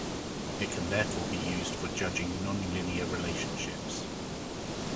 It can therefore be used for judging non-linear relationships.